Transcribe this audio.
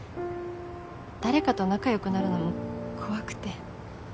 誰かと仲良くなるのも怖くて。